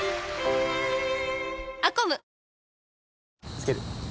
つける？